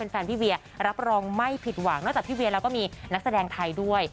แฟนพี่เวียรับรองไม่ผิดหวังนอกจากพี่เวียแล้วก็มีนักแสดงไทยด้วย